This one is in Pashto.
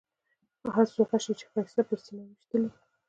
هر څو غشي چې ښایسته پر سینه ویشتلي.